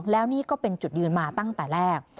แล้วนี่ก็เป็นจุดยืนมาตั้งแต่แรก